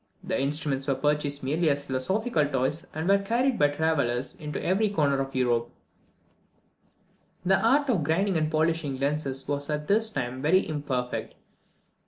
The instruments were purchased merely as philosophical toys, and were carried by travellers into every corner of Europe. De Telescopio. The art of grinding and polishing lenses was at this time very imperfect.